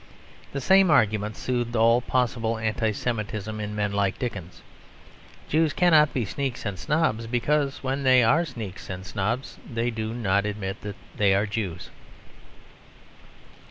The same argument soothed all possible Anti Semitism in men like Dickens. Jews cannot be sneaks and snobs, because when they are sneaks and snobs they do not admit that they are Jews.